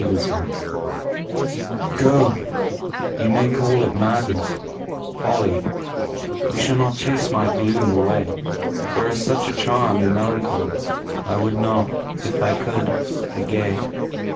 Y Z To ___ GO you may call it madness, folly; You shall not chase my gloom away. There's such a charm in melancholy, I would not, if I could, be gay.